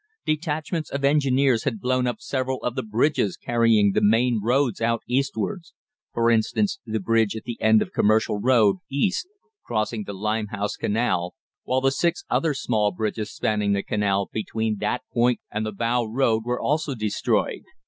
Detachments of Engineers had blown up several of the bridges carrying the main roads out eastwards for instance, the bridge at the end of Commercial Road, East, crossing the Limehouse Canal, while the six other smaller bridges spanning the canal between that point and the Bow Road were also destroyed.